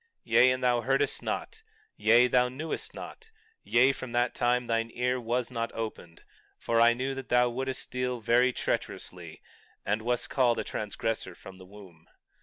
20:8 Yea, and thou heardest not; yea, thou knewest not; yea, from that time thine ear was not opened; for I knew that thou wouldst deal very treacherously, and wast called a transgressor from the womb.